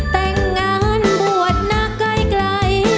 แต่งงานบวชน่ากลาย